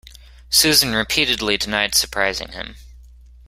Susan repeatedly denied surprising him.